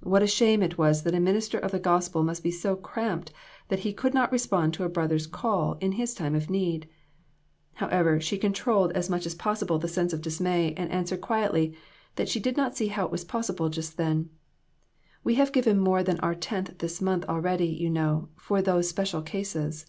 What a shame it was that a minister of the gospel must be so cramped that he could not respond to a brother's call in his time of need ! However, she controlled as much as possible 282 INTRICACIES. the sense of dismay, and answered quietly that she did not see how it was possible just then. "We have given more than our tenth this month already, you know, for those special cases."